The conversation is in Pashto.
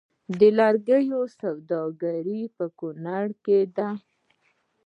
د لرګیو سوداګري په کنړ کې ده